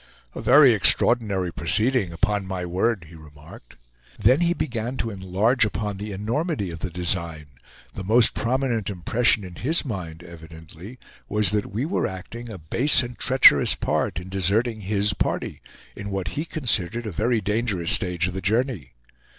"A very extraordinary proceeding, upon my word!" he remarked. Then he began to enlarge upon the enormity of the design. The most prominent impression in his mind evidently was that we were acting a base and treacherous part in deserting his party, in what he considered a very dangerous stage of the journey.